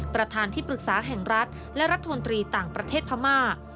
ประธานที่ปรึกษาแห่งรัฐและรัฐมนตรีต่างประเทศพม่า